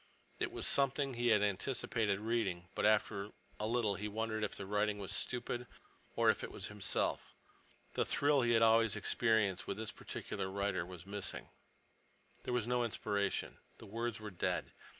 It was something he had anticipated reading, but after a little he wondered if the writing was stupid, or if it was himself. The thrill he had always experienced with this particular writer was missing. There was no inspiration. The words were dead.